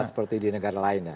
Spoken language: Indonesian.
seperti di negara lainnya